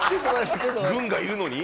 軍がいるのに？